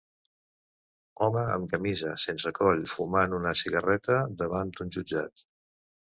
Home amb camisa sense coll fumant una cigarreta davant d'un jutjat.